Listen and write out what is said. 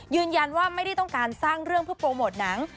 ยืนยันว่าไม่ได้ต้องการสร้างเรื่องเพื่อโปรโมทหนัง